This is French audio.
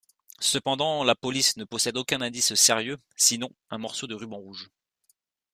Cependant la police ne possède aucun indice sérieux sinon un morceau de ruban rouge.